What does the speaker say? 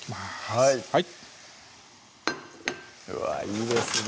はいうわいいですね